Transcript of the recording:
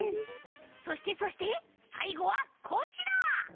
そしてそしてさいごはこちら！